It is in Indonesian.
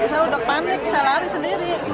saya udah panik saya lari sendiri